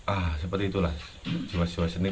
ah seperti itulah jiwa jiwa seni